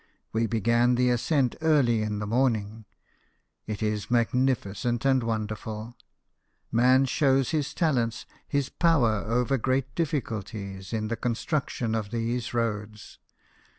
We began the ascent early in the morning. It is magnificent and wonderful. Man shows his talents, his power over great difficulties, in the construction of these roads.